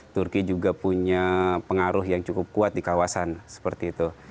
turki juga punya pengaruh yang cukup kuat di kawasan seperti itu